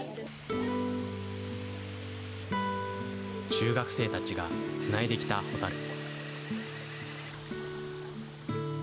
中学生たちがつないできたホタル。